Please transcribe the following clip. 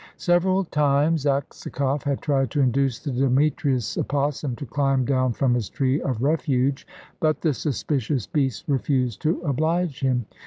Several times Aksakoff had tried to induce the Demetrius opossum to climb down from his tree of refuge, but the suspicious beast refused to oblige him.